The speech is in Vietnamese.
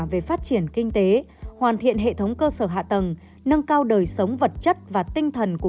về phát triển kinh tế hoàn thiện hệ thống cơ sở hạ tầng nâng cao đời sống vật chất và tinh thần của